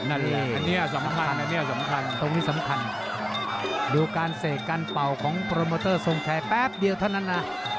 อันนี้สำคัญดูการเสกการเป่าของโปรโมเมอเตอร์โซงแชร์แป๊บเดียวเท่านั้นนะ